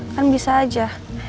kan bisa aja